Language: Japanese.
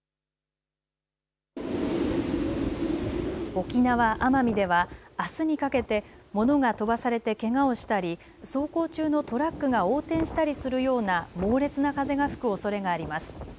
沖縄・奄美ではあすにかけて物が飛ばされてけがをしたり走行中のトラックが横転したりするような猛烈な風が吹くおそれがあります。